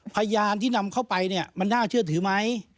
พยานที่นำเข้าไปเนี่ยมันน่าเชื่อถือไหม